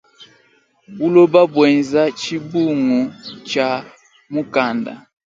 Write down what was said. Buloba mbuenza tshibungu tshia mukanda.